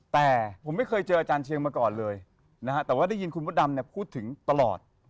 แต่ผมไม่เคยเจออาจารย์เชียงมาก่อนเลยนะฮะแต่ว่าได้ยินคุณมดดำเนี่ยพูดถึงตลอด